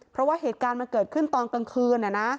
เพราะว่าเหตุการณ์มันเกิดขึ้นตอนกลางคืน